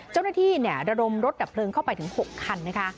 เจ้าหน้าที่ระดมรถดับเพลิงเข้าไปถึง๖คันนะคะ